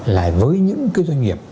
là với những cái doanh nghiệp